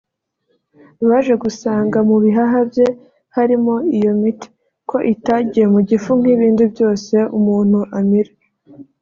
baje gusanga mu bihaha bye harimo iyo miti ko itagiye mu gifu nk’ibindi byose umuntu amira